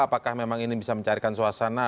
apakah memang ini bisa mencairkan suasana